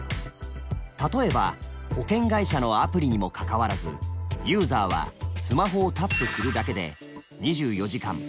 例えば保険会社のアプリにもかかわらずユーザーはスマホをタップするだけで２４時間